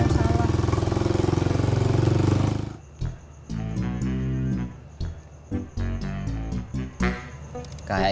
nah stay main hubungan juara